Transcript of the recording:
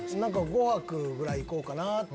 ５泊ぐらい行こうかな。